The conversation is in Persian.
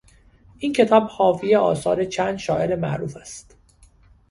این کتاب حاوی آثار چند شاعر معروف است.